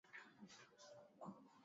kubwa zinazohusika na mziki duniani